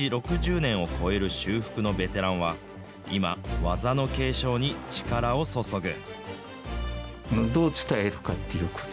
６０年を超える修復のベテランは今、技の継承に力を注ぐ。